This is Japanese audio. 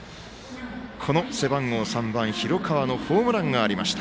背番号３番の広川のホームランがありました。